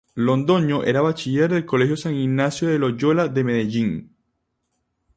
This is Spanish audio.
Londoño era bachiller del Colegio San Ignacio de Loyola de Medellín.